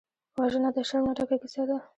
وژنه د شرم نه ډکه کیسه ده